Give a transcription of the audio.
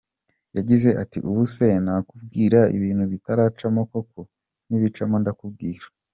Yagize ati “Ubu se nakubwira ibintu bitaracamo koko? Nibicamo ndakubwira.